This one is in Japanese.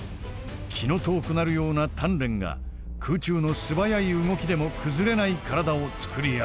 気の遠くなるような鍛錬が空中の素早い動きでも崩れない体をつくり上げた。